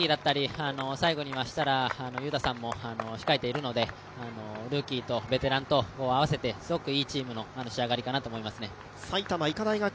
ルーキーだったり、最後には設楽悠太さんも控えているのでルーキーとベテランと合わせてすごくいいチームの仕上がりかなと思いますね。